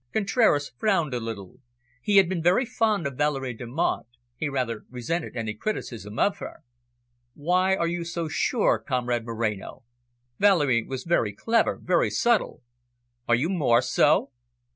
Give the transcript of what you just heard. Contraras frowned a little. He had been very fond of Valerie Delmonte; he rather resented any criticism of her. "Why are you so sure, comrade Moreno? Valerie was very clever, very subtle. Are you more so?"